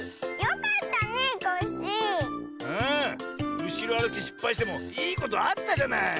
うしろあるきしっぱいしてもいいことあったじゃない？